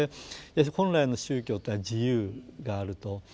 本来の宗教とは自由があると。